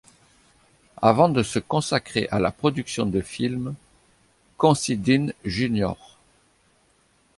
Avant de se consacrer à la production de films, Considine Jr.